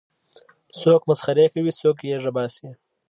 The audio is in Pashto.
څوک مسخرې کوي څوک غېږه باسي.